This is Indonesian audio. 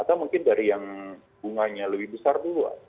atau mungkin dari yang bunganya lebih besar dulu